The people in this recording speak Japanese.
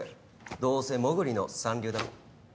どうせモグリの三流だろ？